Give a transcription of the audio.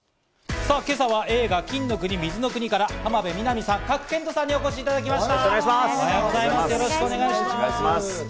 さぁ、今朝は映画『金の国水の国』から、浜辺美波さん、賀来賢人さんにお越しいただきました。